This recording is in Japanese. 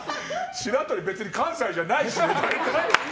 白鳥、別に関西じゃないし。